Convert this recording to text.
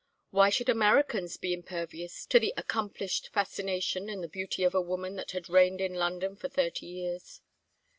Why should Americans be impervious to the accomplished fascination and the beauty of a woman that had reigned in London for thirty years?